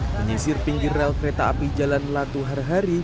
menyisir pinggir rel kereta api jalan melatu hari hari